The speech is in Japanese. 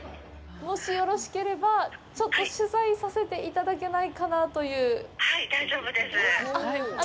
もしよろしければ、ちょっと取材させていただけないかなという。